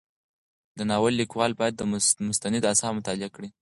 د ناول لیکوال باید مستند اثار مطالعه کړي.